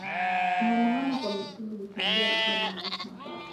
Kuhamahama kwa mifugo huchangia homa ya mapafu